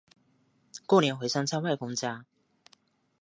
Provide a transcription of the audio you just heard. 过年回乡下外公家